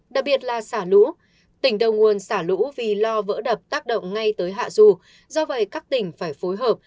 đặc biệt là xả lũ tỉnh đầu nguồn xả lũ vì lo vỡ đập tác động ngay tới hạ dù do vậy các tỉnh phải phối hợp